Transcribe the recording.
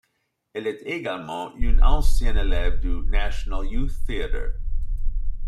Elle est également une ancienne élève du National Youth Theatre.